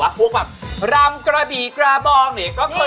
ใช่แต่พวกอ่ะรำกระบีกระบองเนี่ย